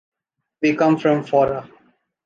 We come from Faura.